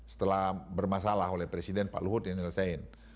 setelah bermasalah oleh presiden pak luhut yang nyelesaikan